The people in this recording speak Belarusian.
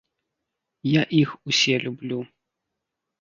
Я іх усе люблю.